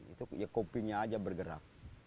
itu kupingnya aja bergerak